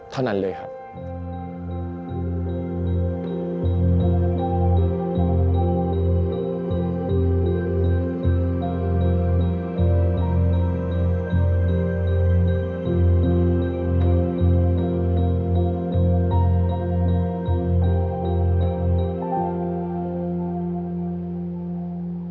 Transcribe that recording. เท่านั้นเลยครับ